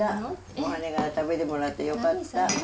こはねに食べてもらってよかった。